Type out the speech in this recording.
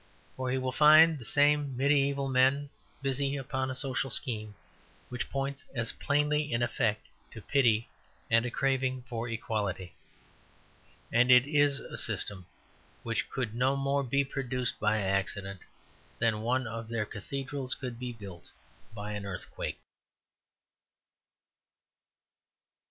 For he will find the same mediæval men busy upon a social scheme which points as plainly in effect to pity and a craving for equality. And it is a system which could no more be produced by accident than one of their cathedrals could be built by an earthquake.